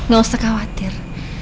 gak usah khawatir